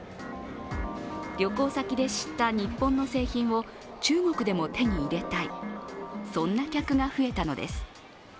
旅行先で知った日本の製品を中国でも手に入れたい、そんな客が増えたのです。